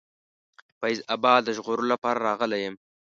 فیض آباد د ژغورلو لپاره راغلی یم.